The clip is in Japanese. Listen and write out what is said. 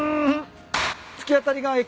突き当たりが駅？